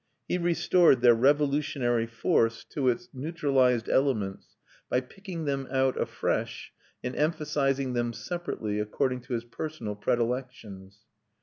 He restored their revolutionary force to its neutralised elements, by picking them out afresh, and emphasising them separately, according to his personal predilections.